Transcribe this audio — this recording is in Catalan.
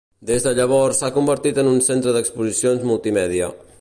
Des de llavors s'ha convertit en un centre d'exposicions multimèdia.